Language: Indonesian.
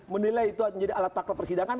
menilai itu menjadi alat fakta persidangan